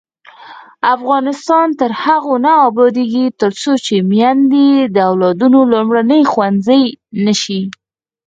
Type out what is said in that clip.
افغانستان تر هغو نه ابادیږي، ترڅو میندې د اولادونو لومړنی ښوونځی نشي.